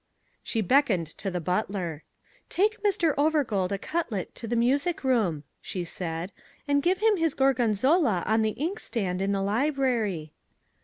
She beckoned to the butler. "Take Mr. Overgold a cutlet to the music room," she said, "and give him his gorgonzola on the inkstand in the library."